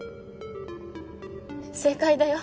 正解だよ。